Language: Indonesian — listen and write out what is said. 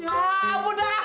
ya ampun dah